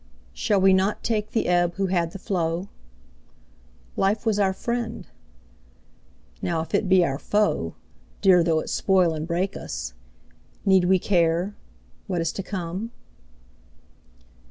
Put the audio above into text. Shall we not take the ebb who had the flow? Life was our friend? Now, if it be our foe Dear, though it spoil and break us! need we care What is to come?